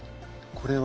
これは？